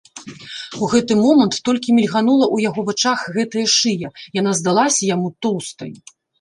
У гэты момант толькі мільганула ў яго вачах гэтая шыя, яна здалася яму тоўстай.